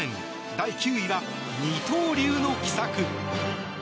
第９位は二刀流の奇策。